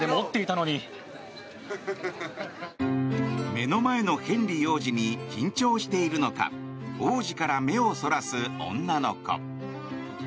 目の前のヘンリー王子に緊張しているのか王子から目をそらす女の子。